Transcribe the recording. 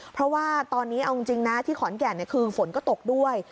เพราะว่าตอนนี้เอาจริงนะที่ขอนแก่นคือฝนก็ตกด้วย